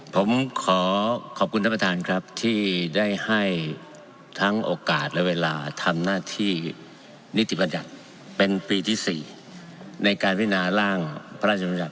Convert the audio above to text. ผมขอขอบคุณท่านประธานครับที่ได้ให้ทั้งโอกาสและเวลาทำหน้าที่นิติบัญญัติเป็นปีที่๔ในการพินาร่างพระราชบัญญัติ